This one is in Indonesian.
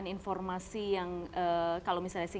kita melihat kekuatan